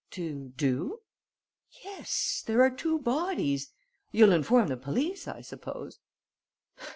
"To do?" "Yes. There are two bodies.... You'll inform the police, I suppose."